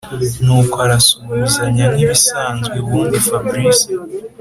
nuko arasuhuzanya nkibisanzwe ubundi fabric